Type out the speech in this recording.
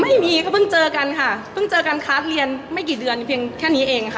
ไม่มีก็เพิ่งเจอกันค่ะเพิ่งเจอกันคาร์ดเรียนไม่กี่เดือนเพียงแค่นี้เองค่ะ